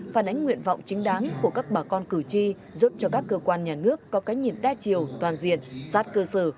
phản ánh nguyện vọng chính đáng của các bà con cử tri giúp cho các cơ quan nhà nước có cái nhìn đa chiều toàn diện sát cơ sở